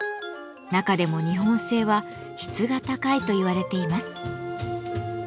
中でも日本製は質が高いと言われています。